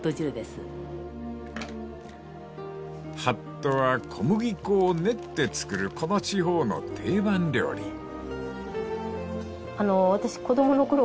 ［「はっと」は小麦粉を練って作るこの地方の定番料理］